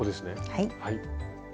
はい。